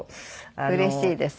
うれしいです。